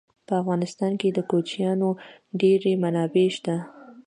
په افغانستان کې د کوچیانو ډېرې منابع شته.